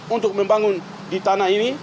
untuk membangun di tanah ini